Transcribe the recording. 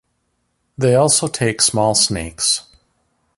They also take small snakes.